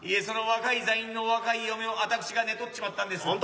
その若い座員の若い嫁を私が寝取っちまったんです。